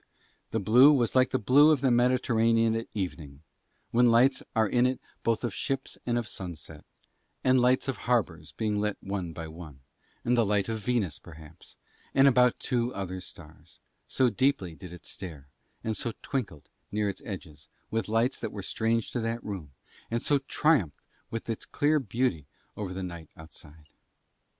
The blue was like the blue of the Mediterranean at evening, when lights are in it both of ships and of sunset, and lights of harbours being lit one by one, and the light of Venus perhaps and about two other stars, so deeply did it stare and so twinkled, near its edges, with lights that were strange to that room, and so triumphed with its clear beauty over the night outside.